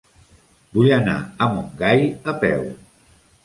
Vull anar a Montgai a peu.